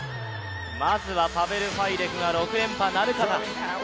まずはパベル・ファイデクが６連覇なるか。